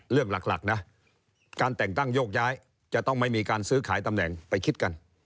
เรื่องหลักนะการแต่งตั้งโยกย้ายจะต้องไม่มีการซื้อขายตำแหน่งไปคิดกัน